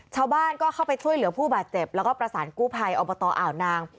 ชาวบ้านก็เข้าไปช่วยเหลือผู้บาดเจ็บแล้วก็ประสานกู้ภัยอบตอ่าวนาง